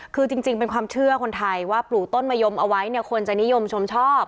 คือจริงเป็นความเชื่อคนไทยว่าปลูกต้นมะยมเอาไว้เนี่ยคนจะนิยมชมชอบ